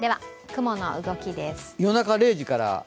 夜中０時から。